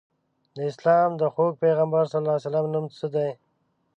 د اسلام د خوږ پیغمبر ص نوم څه دی؟